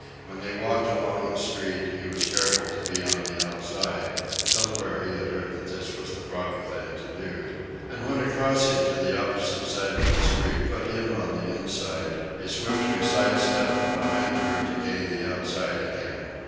When they walked along the street, he was careful to be on the outside, somewhere he had heard that this was the proper thing to do, and when a crossing to the opposite side of the street put him on the inside, he swiftly side stepped behind her to gain the outside again.